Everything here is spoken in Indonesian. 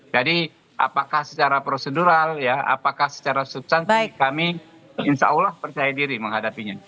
jadi apakah secara prosedural apakah secara substansi kami insya allah percaya diri menghadapinya